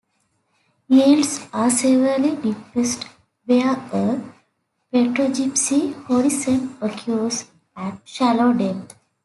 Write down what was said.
Yields are severely depressed where a petrogypsic horizon occurs at shallow depth.